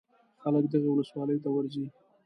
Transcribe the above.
خلک دغې ولسوالۍ ته ورځي.